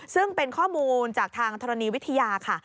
ซึ่งเป็นข้อมูลจากทางธรณีวิทยาค่ะ